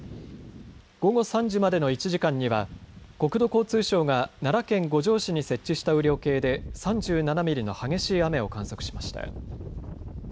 午後３時までの１時間には国土交通省が奈良県五條市に設置した雨量計で３７ミリの激しい雨を観測しました。